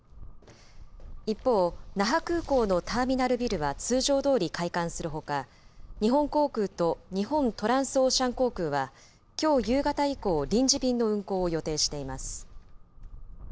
一方、那覇空港のターミナルビルは通常どおり開館するほか、日本航空と日本トランスオーシャン航空は、きょう夕方以降、臨時便の運航を予定しています。